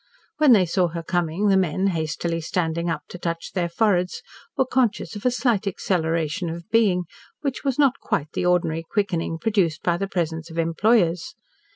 When they saw her coming, the men, hastily standing up to touch their foreheads, were conscious of a slight acceleration of being which was not quite the ordinary quickening produced by the presence of employers.